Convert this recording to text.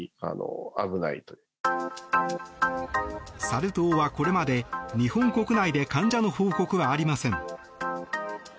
サル痘は、これまで日本国内で患者の報告はありません。